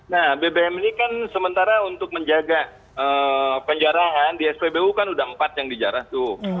nah bbm ini kan sementara untuk menjaga penjarahan di spbu kan sudah empat yang dijarah tuh